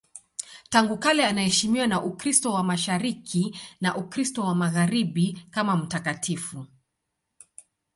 Tangu kale anaheshimiwa na Ukristo wa Mashariki na Ukristo wa Magharibi kama mtakatifu.